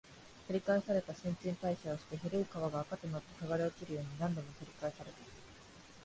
繰り返された、新陳代謝をして、古い皮が垢となって剥がれ落ちるように、何度も繰り返された